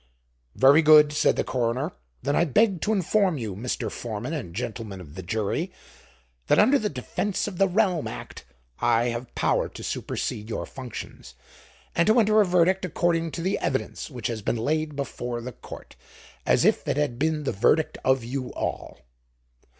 "Very good," said the coroner. "Then I beg to inform you, Mr. Foreman and gentlemen of the jury, that under the Defense of the Realm Act, I have power to supersede your functions, and to enter a verdict according to the evidence which has been laid before the Court as if it had been the verdict of you all."